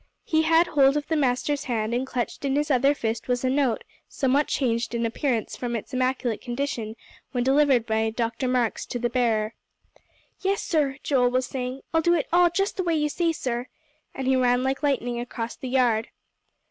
He had hold of the master's hand, and clutched in his other fist was a note, somewhat changed in appearance from its immaculate condition when delivered by Dr. Marks to the bearer. "Yes, sir," Joel was saying, "I'll do it all just as you say, sir." And he ran like lightning across the yard.